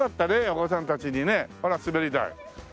お子さんたちにねほらすべり台。